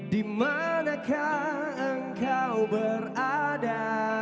dimanakah engkau berada